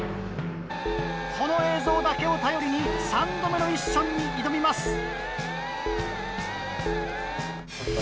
この映像だけを頼りに３度目のミッションに挑みます。